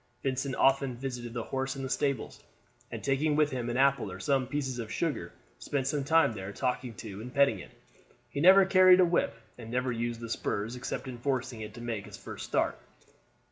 Vincent often visited the horse in the stables, and, taking with him an apple or some pieces of sugar, spent some time there talking to and petting it. He never carried a whip, and never used the spurs except in forcing it to make its first start.